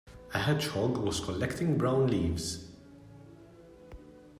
A hedgehog was collecting brown leaves.